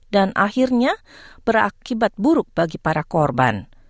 dan akhirnya berakibat buruk bagi para korban